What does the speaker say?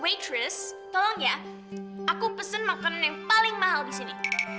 waitress tolong ya aku pesen makanan yang paling mahal disini